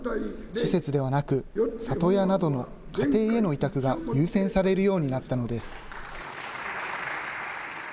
施設ではなく、里親などの家庭への委託が優先されるようになったのです。